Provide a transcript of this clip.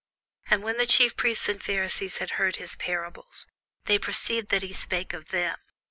And when the chief priests and Pharisees had heard his parables, they perceived that he spake of them.